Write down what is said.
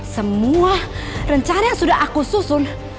semua rencana yang sudah aku susun